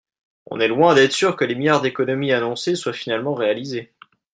on est loin d’être sûrs que les milliards d’économies annoncés soient finalement réalisés.